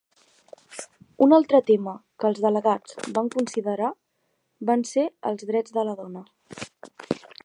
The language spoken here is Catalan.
Un altre tema que els delegats van considerar van ser els drets de la dona.